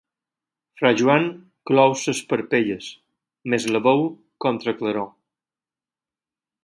Fra Joan clou les parpelles, més la veu contra-claror.